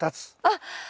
あっ！